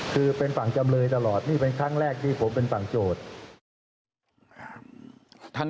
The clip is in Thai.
คือเป็นฝั่งจำเลยตลอดนี่เป็นครั้งแรกที่ผมเป็นฝั่งโจทย์